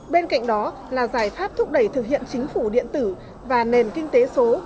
bên cạnh đó là giải pháp thúc đẩy thực hiện chính phủ điện tử và nền kinh tế số